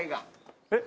えっ？